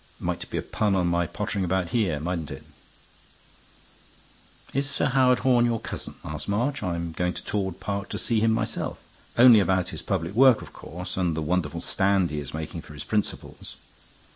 Might be a pun on my pottering about here, mightn't it?" "Is Sir Howard Horne your cousin?" asked March. "I'm going to Torwood Park to see him myself; only about his public work, of course, and the wonderful stand he is making for his principles.